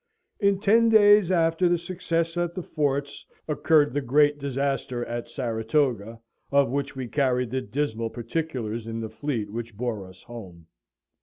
In ten days after the success at the Forts occurred the great disaster at Saratoga, of which we carried the dismal particulars in the fleet which bore us home.